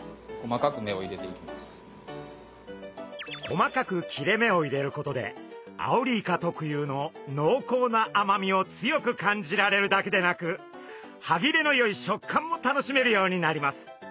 細かく切れ目を入れることでアオリイカ特有ののうこうな甘みを強く感じられるだけでなく歯切れのよい食感も楽しめるようになります。